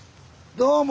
どうも。